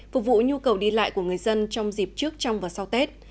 phục vụ nhu cầu đi lại của người dân trong dịp trước trong và sau tết